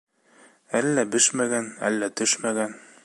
Әллә бешмәгән, әллә төшмәгән.